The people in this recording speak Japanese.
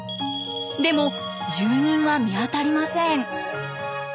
でも住人は見当たりません。